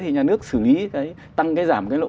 thì nhà nước xử lý cái tăng cái giảm cái lộ